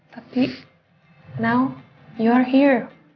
tapi sekarang kamu ada di sini